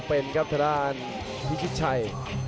เป็นครับทะดานวิชชาย